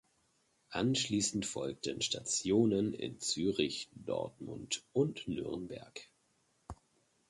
Anschließend folgten Stationen in Zürich, Dortmund und Nürnberg.